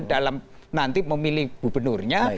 dalam nanti memilih gubernurnya